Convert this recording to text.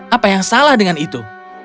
apa yang salah dengan itu